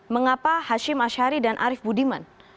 mengapa hashim ashari dan arief budiman